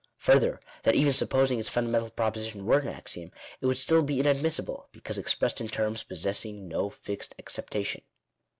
Further, that even supposing its fundamental proposition were an axiom, it would still be inadmissible, because expressed in terms possessing no fixed acceptation.